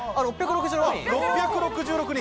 ６６６人。